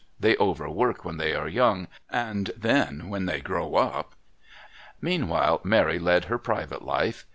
They overwork when they are young, and then when they grow up " Meanwhile Mary led her private life.